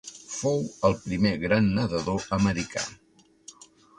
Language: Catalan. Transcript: Fou el primer gran nedador americà.